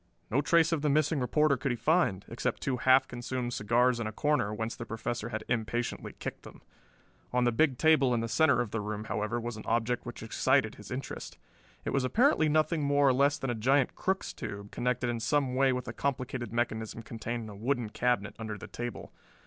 No trace of the missing reporter could he find, except two half consumed cigars in a corner whence the Professor had impatiently kicked them. On the big table in the center of the room, however, was an object which excited his interest. It was apparently nothing more or less than a giant Crookes tube, connected in some way with a complicated mechanism contained in a wooden cabinet under the table.